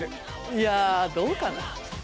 いやどうかな？